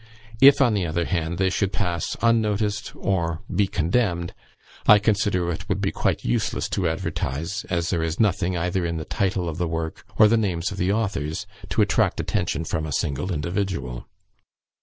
If, on the other hand, they should pass unnoticed or be condemned, I consider it would be quite useless to advertise, as there is nothing, either in the title of the work, or the names of the authors, to attract attention from a single individual."